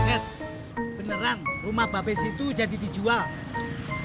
nek beneran rumah babes itu jadi dijual